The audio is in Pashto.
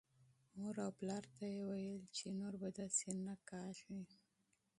مور او پلار ته یې ویل چې نور به داسې نه کېږي.